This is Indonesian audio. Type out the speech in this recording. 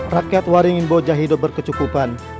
rakyat waringin boja hidup berkecukupan